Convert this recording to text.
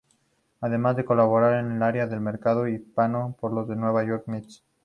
Además de colaborar en el área de Mercadeo Hispano para los New York Mets.